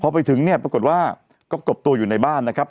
พอไปถึงเนี่ยปรากฏว่าก็กบตัวอยู่ในบ้านนะครับ